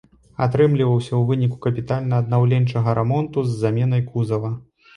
Атрымліваўся ў выніку капітальна-аднаўленчага рамонту з заменай кузава.